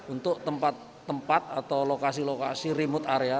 untuk tempat tempat atau lokasi lokasi remote area